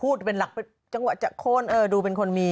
พูดเป็นหลักจังหวะจะโค้นดูเป็นคนมี